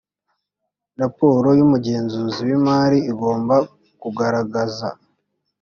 raporo y umugenzuzi w imari igomba kugaragaza